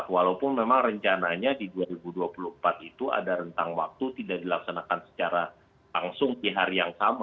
walaupun memang rencananya di dua ribu dua puluh empat itu ada rentang waktu tidak dilaksanakan secara langsung di hari yang sama